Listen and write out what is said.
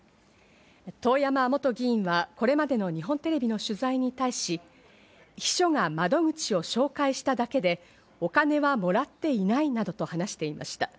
遠山元議員はこれまでの日本テレビの取材に対し、秘書が窓口を紹介しただけで、お金はもらっていないなどと話していました。